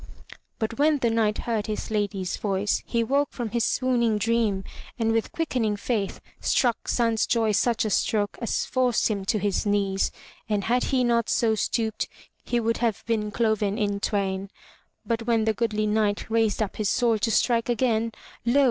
'* But when the Knight heard his lady's voice, he woke from his swooning dream, and with quickening faith, struck Sansjoy such a stroke as forced him to his knees, and had he not so stooped, he would have been cloven in twain. But when the goodly Knight raised up his sword to strike again, lo!